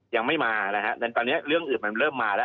ยังไม่มานะฮะแต่ตอนนี้เรื่องอื่นมันเริ่มมาแล้ว